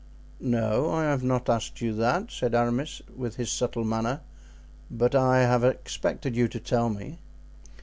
"No, I have not asked you that," said Aramis, with his subtle manner; "but I have expected you to tell me."